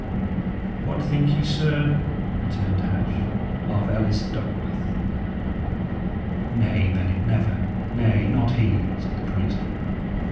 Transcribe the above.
"What think ye, sir," returned Hatch, "of Ellis Duckworth?" "Nay, Bennet, never. Nay, not he," said the priest.